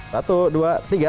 satu dua tiga